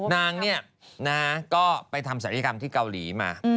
นางเนี่ยนะก็ไปทำศัลยกรรมที่เกาหลีมา